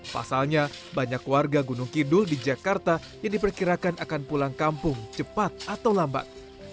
pasalnya banyak warga gunung kidul di jakarta yang diperkirakan akan pulang kampung cepat atau lambat